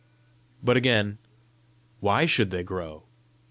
But again, Why should they grow?